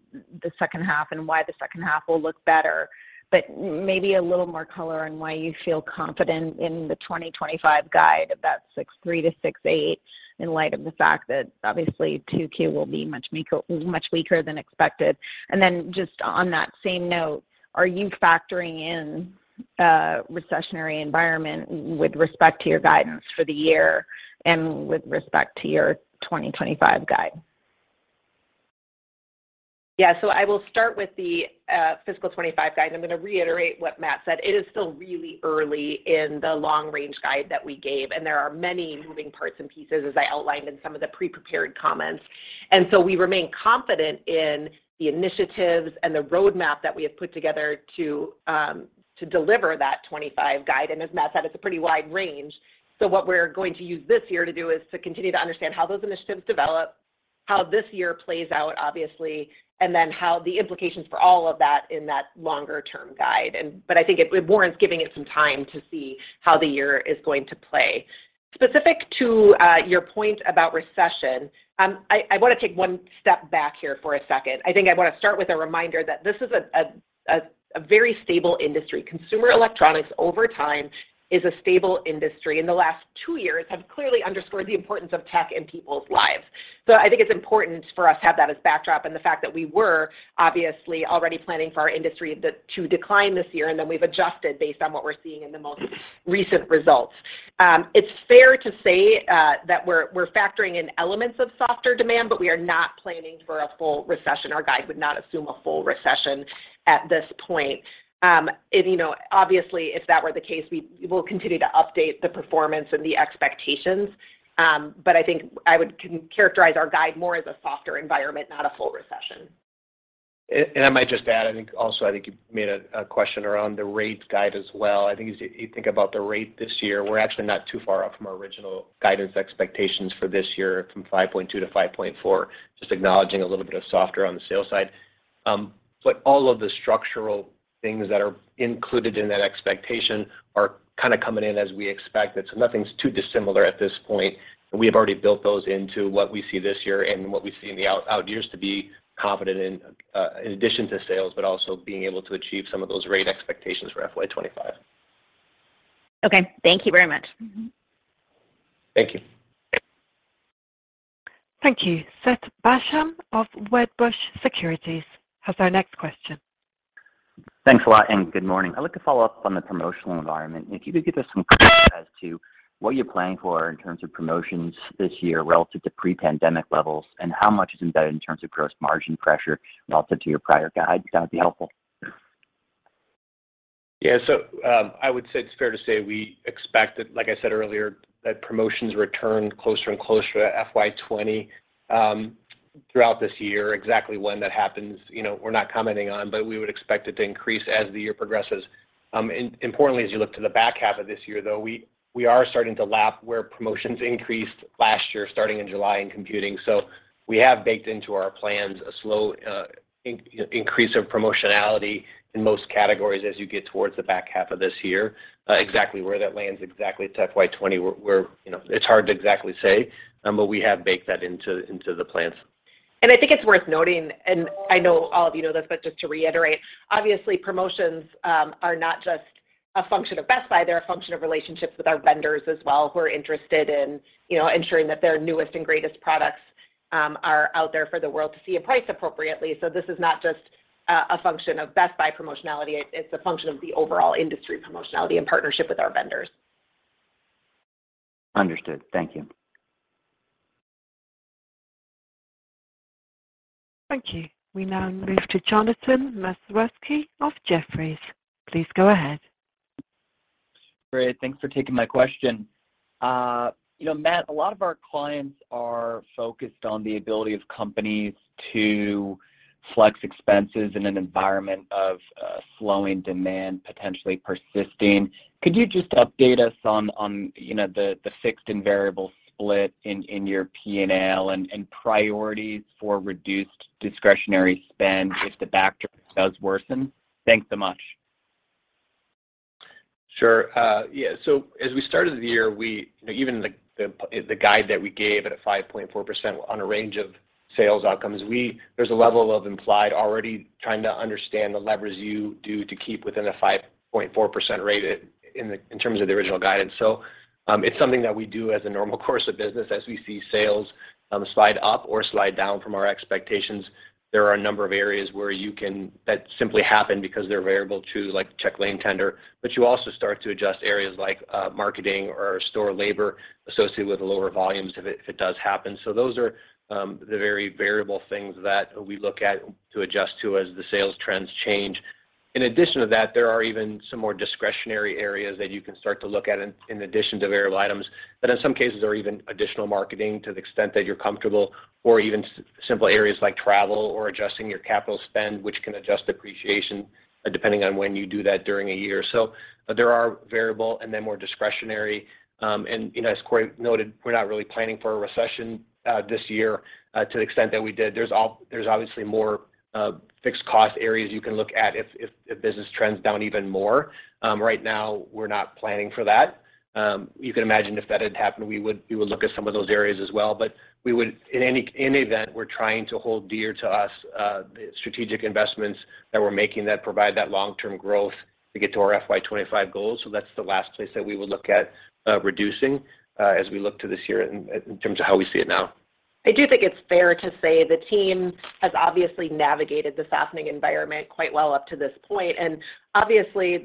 I: the second half and why the second half will look better. Maybe a little more color on why you feel confident in the 2025 guide, that 6.3-6.8, in light of the fact that obviously 2Q will be much weaker than expected. Then just on that same note, are you factoring in a recessionary environment with respect to your guidance for the year and with respect to your 2025 guide? Yeah. I will start with the fiscal 2025 guide. I'm gonna reiterate what Matt said.
C: It is still really early in the long range guide that we gave, and there are many moving parts and pieces as I outlined in some of the pre-prepared comments. We remain confident in the initiatives and the roadmap that we have put together to deliver that 25 guide. As Matt said, it's a pretty wide range. What we're going to use this year to do is to continue to understand how those initiatives develop, how this year plays out, obviously, and then how the implications for all of that in that longer term guide. I think it warrants giving it some time to see how the year is going to play. Specific to your point about recession, I wanna take one step back here for a second. I think I wanna start with a reminder that this is a very stable industry. Consumer electronics over time is a stable industry, and the last two years have clearly underscored the importance of tech in people's lives. I think it's important for us to have that as backdrop and the fact that we were obviously already planning for our industry to decline this year, and then we've adjusted based on what we're seeing in the most recent results. It's fair to say that we're factoring in elements of softer demand, but we are not planning for a full recession. Our guide would not assume a full recession at this point. You know, obviously, if that were the case, we will continue to update the performance and the expectations, but I think I would characterize our guide more as a softer environment, not a full recession.
D: I might just add, I think you made a question around the rate guide as well. I think as you think about the rate this year, we're actually not too far off from our original guidance expectations for this year from 5.2% to 5.4%, just acknowledging a little bit of softer on the sales side. But all of the structural things that are included in that expectation are kinda coming in as we expected, so nothing's too dissimilar at this point. We have already built those into what we see this year and what we see in the out years to be confident in addition to sales, but also being able to achieve some of those rate expectations for FY 2025.
I: Okay. Thank you very much. Mm-hmm.
D: Thank you.
A: Thank you. Seth Basham of Wedbush Securities has our next question.
J: Thanks a lot, and good morning. I'd like to follow up on the promotional environment. If you could give us some color as to what you're planning for in terms of promotions this year relative to pre-pandemic levels and how much is embedded in terms of gross margin pressure relative to your prior guide, that would be helpful.
D: Yeah. I would say it's fair to say we expect that, like I said earlier, that promotions return closer and closer to FY 2020 throughout this year. Exactly when that happens, you know, we're not commenting on, but we would expect it to increase as the year progresses. Importantly, as you look to the back half of this year, though, we are starting to lap where promotions increased last year starting in July in computing. We have baked into our plans a slow increase of promotionality in most categories as you get towards the back half of this year. Exactly where that lands exactly to FY 2020, you know, it's hard to exactly say, but we have baked that into the plans.
C: I think it's worth noting, and I know all of you know this, but just to reiterate, obviously, promotions are not just a function of Best Buy. They're a function of relationships with our vendors as well, who are interested in, you know, ensuring that their newest and greatest products are out there for the world to see and price appropriately. This is not just a function of Best Buy promotionality. It's a function of the overall industry promotionality in partnership with our vendors.
J: Understood. Thank you.
A: Thank you. We now move to Jonathan Matuszewski of Jefferies. Please go ahead.
K: Great. Thanks for taking my question. You know, Matt, a lot of our clients are focused on the ability of companies to flex expenses in an environment of slowing demand potentially persisting. Could you just update us on you know, the fixed and variable split in your P&L and priorities for reduced discretionary spend if the backdrop does worsen? Thanks so much.
D: Sure. As we started the year, you know, even the guide that we gave at a 5.4% on a range of sales outcomes, there's a level of implied already trying to understand the levers you do to keep within a 5.4% rate, in terms of the original guidance. It's something that we do as a normal course of business as we see sales slide up or slide down from our expectations. There are a number of areas that simply happen because they're variable, too, like check lane tender. You also start to adjust areas like marketing or store labor associated with lower volumes if it does happen. Those are the very variable things that we look at to adjust to as the sales trends change. In addition to that, there are even some more discretionary areas that you can start to look at in addition to variable items, that in some cases are even additional marketing to the extent that you're comfortable, or even simple areas like travel or adjusting your capital spend, which can adjust depreciation, depending on when you do that during a year. There are variable and then more discretionary. You know, as Corie noted, we're not really planning for a recession this year to the extent that we did. There's obviously more fixed cost areas you can look at if business trends down even more. Right now, we're not planning for that. You can imagine if that had happened, we would look at some of those areas as well. In any event, we're trying to hold dear to us strategic investments that we're making that provide that long-term growth to get to our FY 25 goals, so that's the last place that we would look at reducing as we look to this year in terms of how we see it now.
C: I do think it's fair to say the team has obviously navigated this softening environment quite well up to this point. Obviously,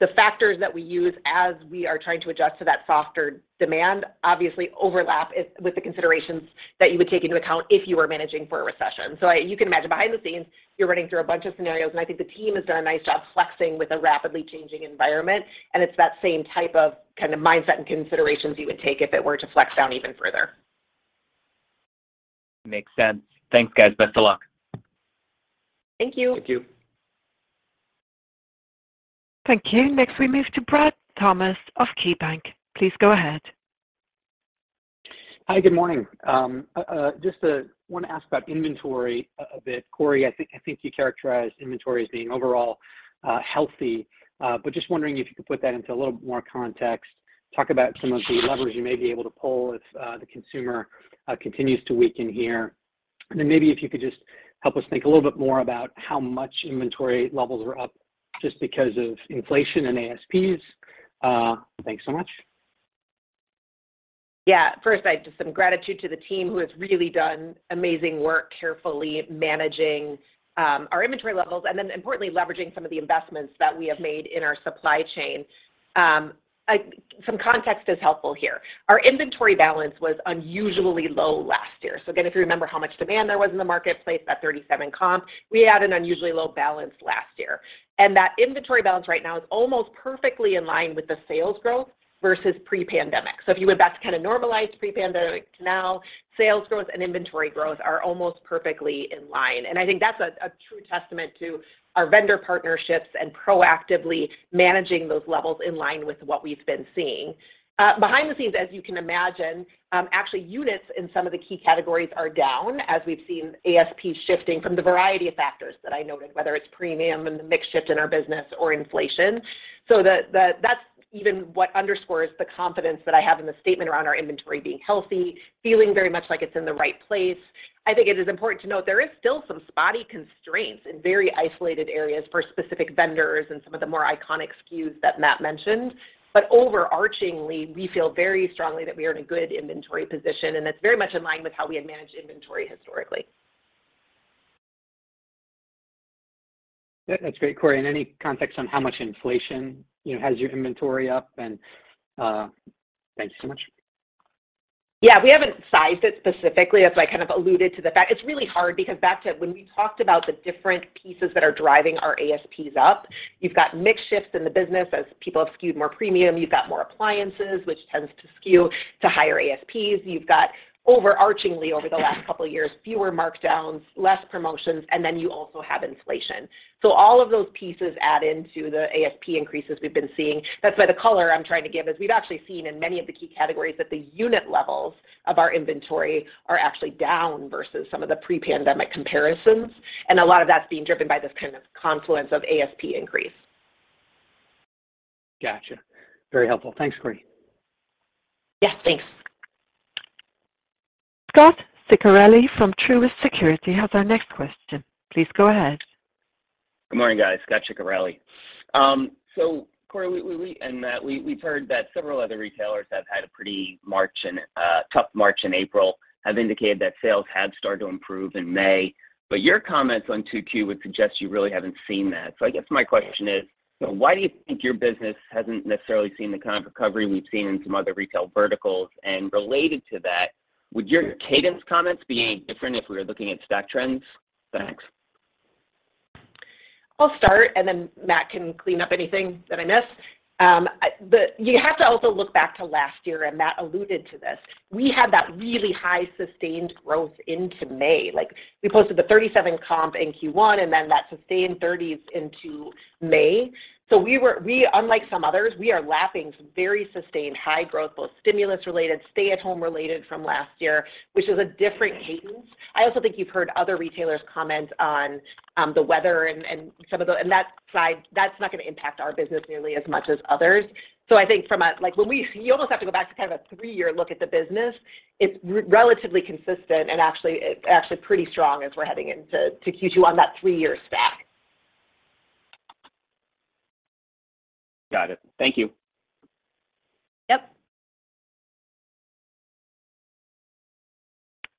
C: the factors that we use as we are trying to adjust to that softer demand obviously overlap with the considerations that you would take into account if you were managing for a recession. You can imagine behind the scenes, you're running through a bunch of scenarios, and I think the team has done a nice job flexing with a rapidly changing environment, and it's that same type of kind of mindset and considerations you would take if it were to flex down even further.
K: Makes sense. Thanks, guys. Best of luck.
C: Thank you.
D: Thank you.
A: Thank you. Next we move to Bradley Thomas of KeyBanc. Please go ahead.
L: Hi. Good morning. Just wanted to ask about inventory a bit. Corie, I think you characterized inventory as being overall healthy. But just wondering if you could put that into a little more context, talk about some of the levers you may be able to pull if the consumer continues to weaken here. Then maybe if you could just help us think a little bit more about how much inventory levels are up just because of inflation and ASPs. Thanks so much.
C: Yeah. First, just some gratitude to the team who has really done amazing work carefully managing our inventory levels, and then importantly, leveraging some of the investments that we have made in our supply chain. Some context is helpful here. Our inventory balance was unusually low last year. Again, if you remember how much demand there was in the marketplace, that 37 comp, we had an unusually low balance last year. That inventory balance right now is almost perfectly in line with the sales growth versus pre-pandemic. If you went back to kind of normalized pre-pandemic to now, sales growth and inventory growth are almost perfectly in line. I think that's a true testament to our vendor partnerships and proactively managing those levels in line with what we've been seeing. Behind the scenes, as you can imagine, actually, units in some of the key categories are down, as we've seen ASP shifting from the variety of factors that I noted, whether it's premium and the mix shift in our business or inflation. That's even what underscores the confidence that I have in the statement around our inventory being healthy, feeling very much like it's in the right place. I think it is important to note there is still some spotty constraints in very isolated areas for specific vendors and some of the more iconic SKUs that Matt mentioned. Overarchingly, we feel very strongly that we are in a good inventory position, and it's very much in line with how we had managed inventory historically.
L: That's great, Corie. Any context on how much inflation, you know, has your inventory up? Thank you so much.
C: Yeah, we haven't sized it specifically. As I kind of alluded to the fact, it's really hard because back to when we talked about the different pieces that are driving our ASPs up, you've got mix shifts in the business as people have skewed more premium. You've got more appliances, which tends to skew to higher ASPs. You've got overarchingly over the last couple of years, fewer markdowns, less promotions, and then you also have inflation. All of those pieces add into the ASP increases we've been seeing. That's why the color I'm trying to give is we've actually seen in many of the key categories that the unit levels of our inventory are actually down versus some of the pre-pandemic comparisons, and a lot of that's being driven by this kind of confluence of ASP increase.
L: Gotcha. Very helpful. Thanks, Corie.
C: Yes, thanks.
A: Scot Ciccarelli from Truist Securities has our next question. Please go ahead.
M: Good morning, guys. Scot Ciccarelli. Corie and Matt, we've heard that several other retailers have had a pretty tough March and April, have indicated that sales had started to improve in May. Your comments on 2Q would suggest you really haven't seen that. I guess my question is, so why do you think your business hasn't necessarily seen the kind of recovery we've seen in some other retail verticals? Related to that, would your cadence comments be any different if we were looking at stock trends? Thanks.
C: I'll start, and then Matt can clean up anything that I miss. You have to also look back to last year, and Matt alluded to this. We had that really high sustained growth into May. Like, we posted the 37 comp in Q1 and then that sustained 30s into May. We, unlike some others, are lapping some very sustained high growth, both stimulus related, stay at home related from last year, which is a different cadence. I also think you've heard other retailers comment on the weather and some of the. That side, that's not going to impact our business nearly as much as others. You almost have to go back to kind of a three-year look at the business. It's relatively consistent and actually, it's pretty strong as we're heading into Q2 on that three-year stack.
M: Got it. Thank you.
C: Yep.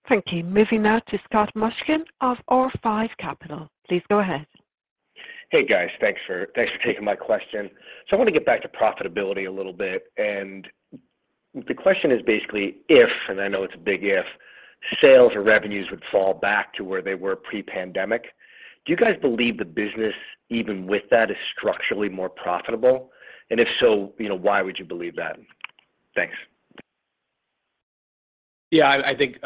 A: Thank you. Moving now to Scott Mushkin of R5 Capital. Please go ahead.
N: Hey, guys. Thanks for taking my question. I want to get back to profitability a little bit. The question is basically if, and I know it's a big if, sales or revenues would fall back to where they were pre-pandemic, do you guys believe the business, even with that, is structurally more profitable? If so, you know, why would you believe that? Thanks.
D: Yeah, I think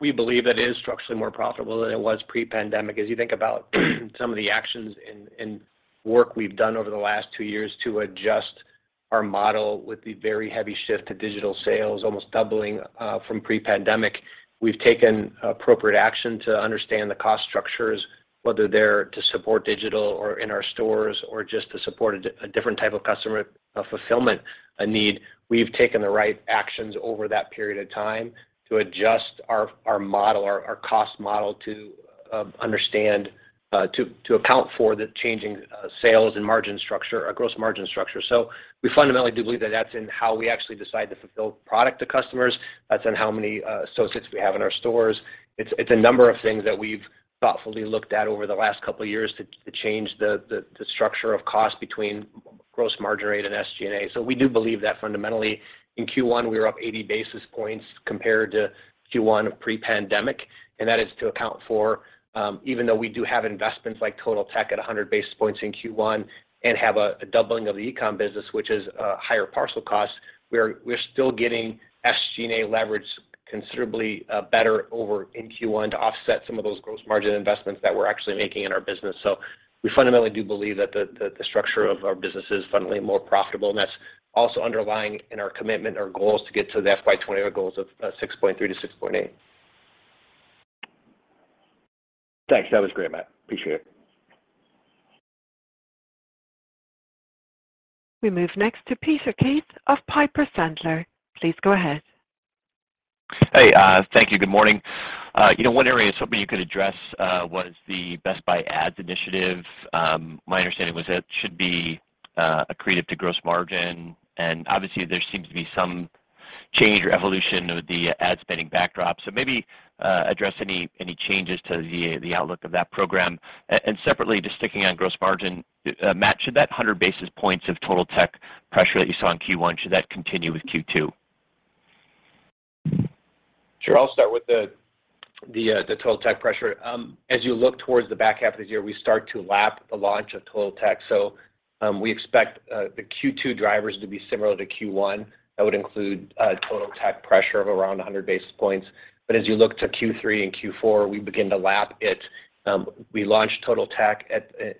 D: we believe it is structurally more profitable than it was pre-pandemic. As you think about some of the actions and work we've done over the last two years to adjust our model with the very heavy shift to digital sales, almost doubling from pre-pandemic. We've taken appropriate action to understand the cost structures, whether they're to support digital or in our stores or just to support a different type of customer fulfillment need. We've taken the right actions over that period of time to adjust our model, our cost model to understand to account for the changing sales and margin structure, our gross margin structure. We fundamentally do believe that that's in how we actually decide to fulfill product to customers. That's on how many associates we have in our stores. It's a number of things that we've thoughtfully looked at over the last couple of years to change the structure of cost between gross margin rate and SG&A. We do believe that fundamentally in Q1, we were up 80 basis points compared to Q1 pre-pandemic, and that is to account for even though we do have investments like Totaltech at 100 basis points in Q1 and have a doubling of the e-com business, which is higher parcel costs. We're still getting SG&A leverage considerably better overall in Q1 to offset some of those gross margin investments that we're actually making in our business. We fundamentally do believe that the structure of our business is fundamentally more profitable, and that's also underlying in our commitment and our goals to get to the FY 2020 goals of $6.3-$6.8.
N: Thanks. That was great, Matt. Appreciate it.
A: We move next to Peter Keith of Piper Sandler. Please go ahead.
O: Hey, thank you. Good morning. You know, one area I was hoping you could address was the Best Buy Ads initiative. My understanding was that should be accretive to gross margin, and obviously there seems to be some change or evolution of the ad spending backdrop. Maybe address any changes to the outlook of that program. Separately, just sticking on gross margin, Matt, should that 100 basis points of Totaltech pressure that you saw in Q1, should that continue with Q2?
D: Sure. I'll start with Totaltech pressure. As you look towards the back half of the year, we start to lap the launch of Totaltech. We expect the Q2 drivers to be similar to Q1. That would include Totaltech pressure of around 100 basis points. As you look to Q3 and Q4, we begin to lap it. We launched Totaltech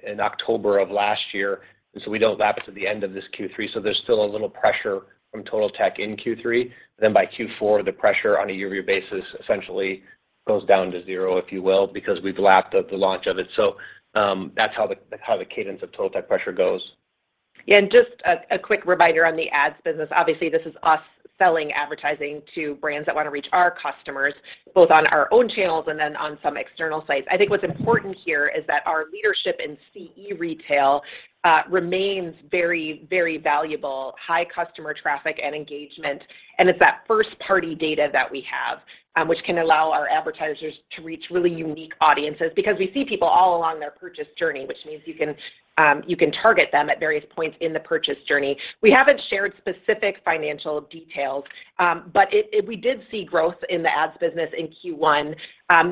D: in October of last year, and we don't lap it to the end of this Q3, so there's still a little pressure from Totaltech in Q3. By Q4, the pressure on a year-over-year basis essentially goes down to zero, if you will, because we've lapped the launch of it. That's how the cadence of Totaltech pressure goes.
C: Yeah, just a quick reminder on the ads business. Obviously, this is us selling advertising to brands that wanna reach our customers, both on our own channels and then on some external sites. I think what's important here is that our leadership in CE retail remains very, very valuable, high customer traffic and engagement, and it's that first-party data that we have, which can allow our advertisers to reach really unique audiences because we see people all along their purchase journey, which means you can target them at various points in the purchase journey. We haven't shared specific financial details, but we did see growth in the ads business in Q1,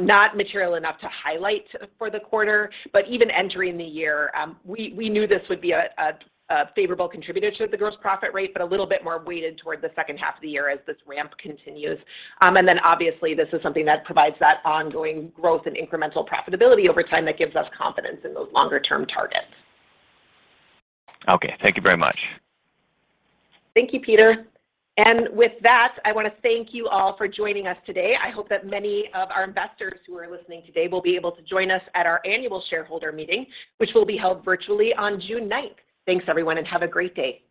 C: not material enough to highlight for the quarter. Even entering the year, we knew this would be a favorable contributor to the gross profit rate, but a little bit more weighted toward the second half of the year as this ramp continues. Obviously, this is something that provides that ongoing growth and incremental profitability over time that gives us confidence in those longer term targets.
O: Okay. Thank you very much.
C: Thank you, Peter. With that, I wanna thank you all for joining us today. I hope that many of our investors who are listening today will be able to join us at our annual shareholder meeting, which will be held virtually on June ninth. Thanks, everyone, and have a great day.